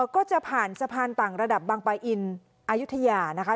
ก็จะผ่านสะพานต่างระดับบางปลาอินอายุทยานะคะ